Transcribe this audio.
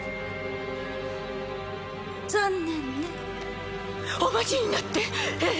残念ねお待ちになってええ